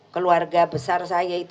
keluarga besar saya itu